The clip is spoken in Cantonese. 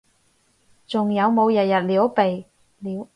仲有冇日日撩鼻？